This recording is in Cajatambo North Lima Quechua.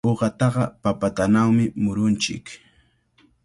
Uqataqa papatanawmi murunchik.